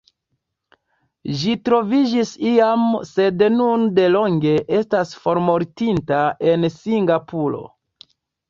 Ĝi troviĝis iam sed nun delonge estas formortinta en Singapuro.